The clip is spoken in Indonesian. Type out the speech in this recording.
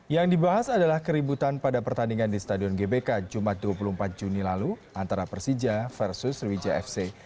yang dibahas adalah keributan pada pertandingan di stadion gbk jumat dua puluh empat juni lalu antara persija versus sriwijaya fc